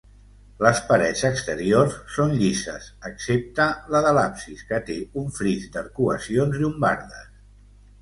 Les parets exteriors són llises excepte la de l'absis, que té un fris d'arcuacions llombardes.